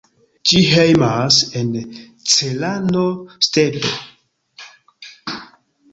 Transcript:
Ĝi hejmas en Cerrado-stepo.